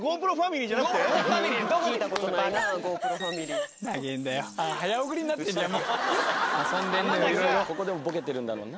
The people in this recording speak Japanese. ここでもボケてるんだろうな。